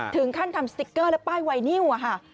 ถึงขั้นทำสติ๊กเกอร์และป้ายไวนิวอะค่ะ